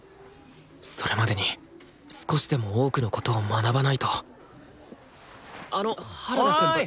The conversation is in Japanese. それまでに少しでも多くのことを学ばないとあの原田せんぱ。